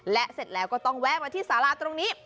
และเสร็จแล้วก็ต้องแวะมาที่สาราตรงนี้